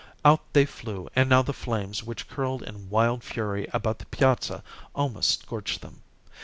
Out they flew, and now the flames which curled in wild fury about the piazza almost scorched them.